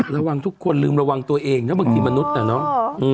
ระวังทุกคนลืมระวังตัวเองนะบางทีมนุษย์น่ะเนอะ